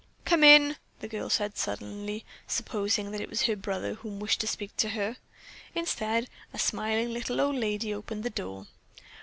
"Come in!" the girl said sullenly, supposing that it was her brother who wished to speak with her. Instead a smiling little old lady opened the door.